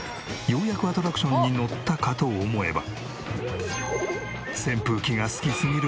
ようやくアトラクションに乗ったかと思えば。